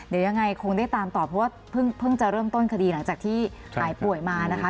เดี๋ยวยังไงคงได้ตามต่อเพราะว่าเพิ่งจะเริ่มต้นคดีหลังจากที่หายป่วยมานะคะ